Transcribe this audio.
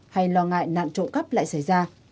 hay lo ngại nạn trộn cắp lại xảy ra